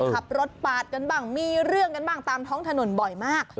ขับรถปาดกันบ้างมีเรื่องกันบ้างตามท้องถนนบ่อยมาก